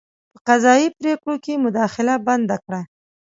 په قضايي پرېکړو کې مداخله بنده کړه.